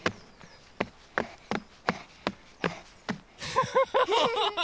フフフフ！